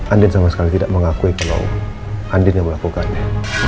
andin sama sekali tidak mengakuiqucao andin yang melakukannya